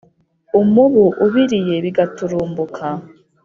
umubu ubiriye bigaturumbuka.